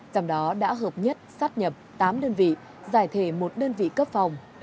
trong đó đã hợp nhất sát nhập tám đơn vị giải thể một đơn vị cấp phòng